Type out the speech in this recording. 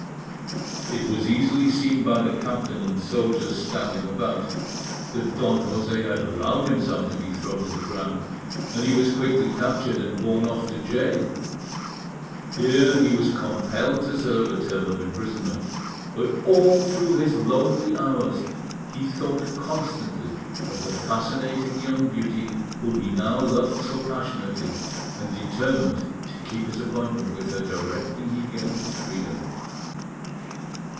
It was easily seen by the captain and soldiers standing about that Don José had allowed himself to be thrown to the ground, and he was quickly captured and borne off to gaol. Here he was compelled to serve a term of imprisonment; but all through his lonely hours he thought constantly of the fascinating young beauty whom he now loved so passionately, and determined to keep his appointment with her directly he gained his freedom.